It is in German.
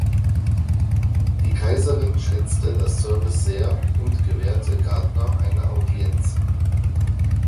Die Kaiserin schätzte das Service sehr und gewährte Gardner eine Audienz.